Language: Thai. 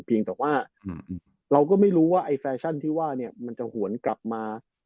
เพียงแต่ว่าเราก็ไม่รู้ว่าไอ้แฟชั่นที่ว่าเนี่ยมันจะหวนกลับมา